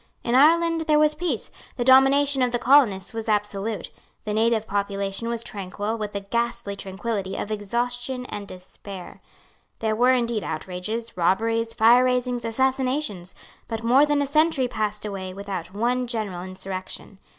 In Ireland there was peace. The domination of the colonists was absolute. The native population was tranquil with the ghastly tranquillity of exhaustion and of despair. There were indeed outrages, robberies, fireraisings, assassinations. But more than a century passed away without one general insurrection.